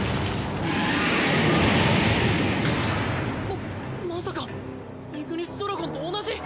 ままさかイグニスドラゴンと同じ！？